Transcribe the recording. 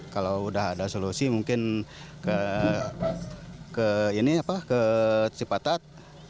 kalau udah ada solusi mungkin ke sipatat